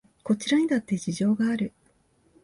こちらにだって事情がある